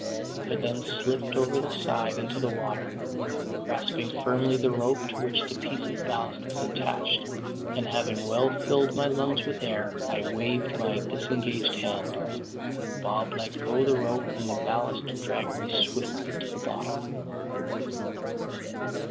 I then slipped over the side into the water, grasping firmly the rope to which the piece of ballast was attached; and, having well filled my lungs with air, I waved my disengaged hand. Bob let go the rope, and the ballast dragged me swiftly to the bottom.